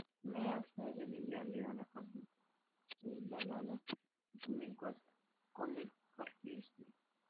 Su familia era originaria de Villarreal, acaudalada y con vínculos con el carlismo.